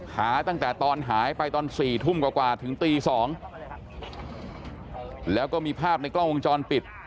หาตั้งแต่ตอนหายไปตอน๔ทุ่มกว่าถึงตี๒แล้วก็มีภาพในกล้องวงจรปิด